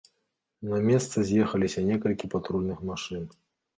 На месца з'ехаліся некалькі патрульных машын.